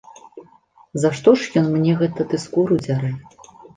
За што ж ён мне гэта ды скуру дзярэ?!